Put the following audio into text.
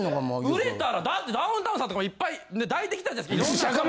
売れたらだってダウンタウンさんとかもいっぱい抱いてきたじゃないですか。